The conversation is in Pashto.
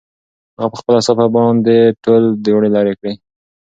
هغه په خپله صافه باندې ټول دوړې لرې کړې.